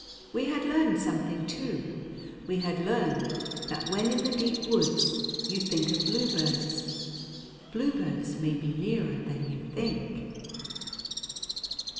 We had learned something, too; we had learned that when in the deep woods you think of bluebirds, bluebirds may be nearer you than you think.